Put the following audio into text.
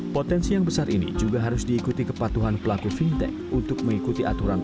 potensi yang besar ini juga harus diikuti kepatuhan pelaku fintech